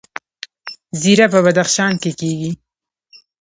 زیره په بدخشان کې کیږي